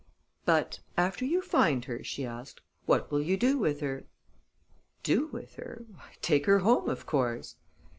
"But after you find her," she asked, "what will you do with her?" "Do with her? Why, take her home, of course."